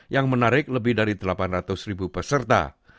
yang menarik lebih dari delapan ratus ribu peserta